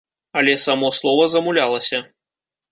Але само слова замулялася.